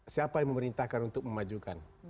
siapa yang memerintahkan untuk memajukan